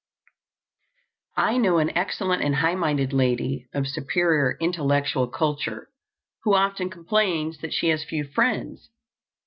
I know an excellent and high minded lady, of superior intellectual culture, who often complains that she has few friends.